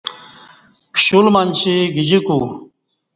کشل منچی گجیکو